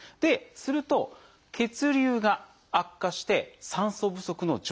すると血流が悪化して酸素不足の状態になる。